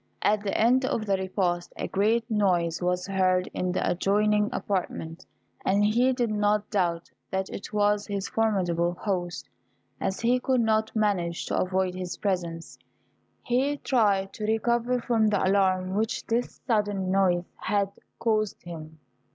At the end of the repast a great noise was heard in the adjoining apartment, and he did not doubt that it was his formidable host. As he could not manage to avoid his presence, he tried to recover from the alarm which this sudden noise had caused him.